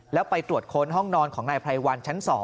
แล้วไปตรวจค้นห้องนอนของนายไพรวัลชั้น๒